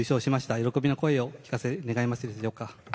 喜びの声をお聞かせ願えますでしょうか。